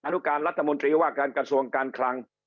นุการรัฐมนตรีว่าการกระทรวงการคลัง